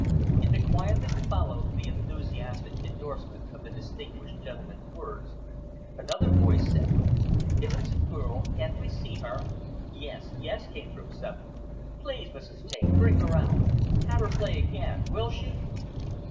In the quiet that followed the enthusiastic endorsement of the distinguished gentleman's words, another voice said, "If it's a girl, can't we see her?" "Yes, yes," came from several. "Please, Mrs. Taine, bring her out." "Have her play again." "Will she?"